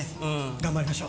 頑張りましょう。